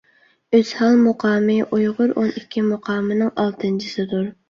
ئۆزھال مۇقامى ئۇيغۇر ئون ئىككى مۇقامىنىڭ ئالتىنچىسىدۇر.